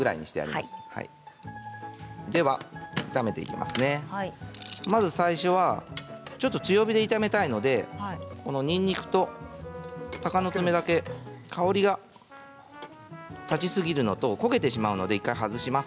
まず最初は強火で炒めたいのでにんにくと、たかのつめだけ香りが立ちすぎるのと焦げてしまいますので一度外します。